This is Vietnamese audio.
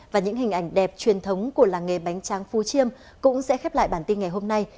và những hình ảnh đẹp truyền thống của làng nghề bánh tráng phú chiêm cũng sẽ khép lại bản tin ngày hôm nay